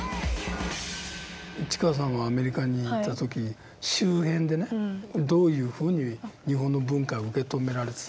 市川さんはアメリカにいた時周辺でねどういうふうに日本の文化は受け止められてた？